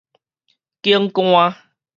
警官